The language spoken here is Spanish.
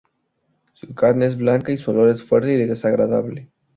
Su carne es blanca y su olor es fuerte y desagradable.